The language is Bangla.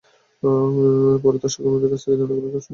পরে তাঁর সহকর্মীদের কাছ থেকে জানা গেল, তাঁর স্বামীর নাম কামুখ্খা।